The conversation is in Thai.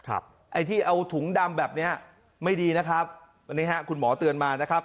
ไอ้ที่เอาถุงดำแบบเนี้ยไม่ดีนะครับอันนี้ฮะคุณหมอเตือนมานะครับ